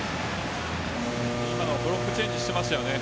今のはブロックチェンジをしていました。